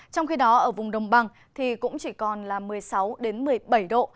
trong khi đó ở vùng đồng bằng thì cũng chỉ còn là một mươi sáu một mươi bảy độ